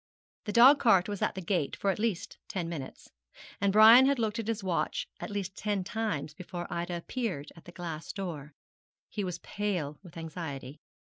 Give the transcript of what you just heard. The dog cart was at the gate for at least ten minutes, and Brian had looked at his watch at least ten times before Ida appeared at the glass door. He was pale with anxiety.